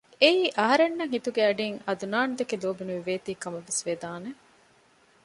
އެއީ އަހަރެންނަށް ހިތުގެ އަޑީން އަދުނާނު ދެކެ ލޯބި ނުވެވޭތީ ކަމަށް ވެސް ވެދާނެ